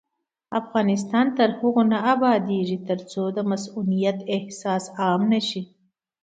افغانستان تر هغو نه ابادیږي، ترڅو د مسؤلیت احساس عام نشي.